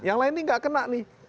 yang lain ini nggak kena nih